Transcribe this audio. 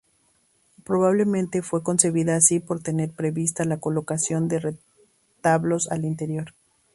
Probablemente fuera concebida así por tener prevista la colocación de retablos al interior.